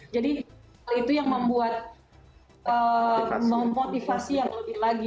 jadi hal itu yang membuat memotivasi yang lebih lagi